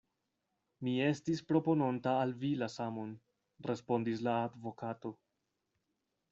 Mi estis propononta al vi la samon, respondis la advokato.